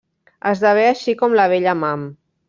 Esdevé així com la vella Mam.